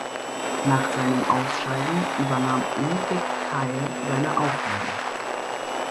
Nach seinem Ausscheiden übernahm Ludwig Keil seine Aufgaben.